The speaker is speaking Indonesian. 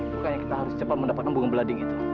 bukannya kita harus cepat mendapatkan bunga belading itu